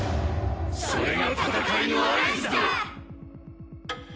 それが戦いの合図だ！